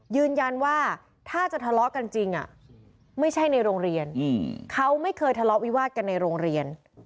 ยืนยันว่าถ้าจะทะเลาะกันจริงไม่ใช่ในโรงเรียนเขาไม่เคยทะเลาะวิวาสกันในโรงเรียน